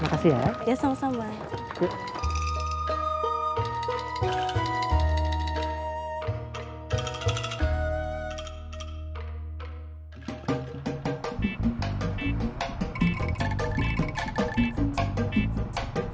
terima kasih ya